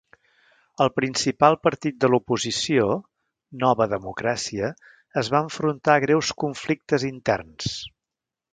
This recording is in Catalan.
El principal partit de l'oposició, Nova Democràcia, es va enfrontar a greus conflictes interns.